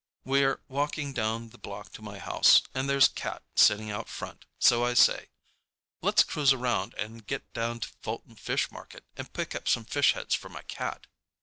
We're walking down the block to my house, and there's Cat sitting out front, so I say, "Let's cruise around and get down to Fulton Fish Market and pick up some fish heads for my cat."